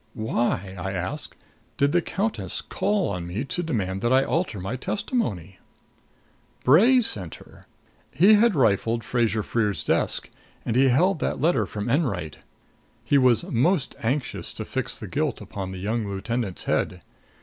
"Why," I asked, "did the countess call on me to demand that I alter my testimony?" "Bray sent her. He had rifled Fraser Freer's desk and he held that letter from Enwright. He was most anxious to fix the guilt upon the young lieutenant's head.